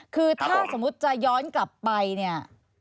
คือถ้าสมมุติจะย้อนกลับไปเนี่ย